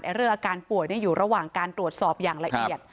เรื่องอาการป่วยอยู่ระหว่างการตรวจสอบอย่างละเอียด